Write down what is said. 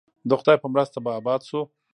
د خدای په مرسته به اباد شو؟